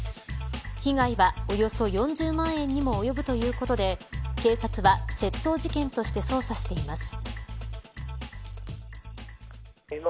被害はおよそ４０万円にも及ぶということで警察は窃盗事件として捜査しています。